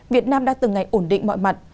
việt nam đã từng ngày ổn định mọi mặt